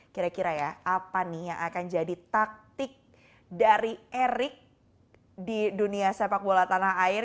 kira kira ya apa nih yang akan jadi taktik dari erik di dunia sepak bola tanah air